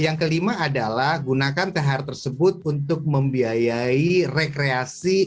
yang kelima adalah gunakan thr tersebut untuk membiayai rekreasi